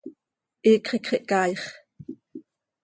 ¡Iicx iicx ihcaaix!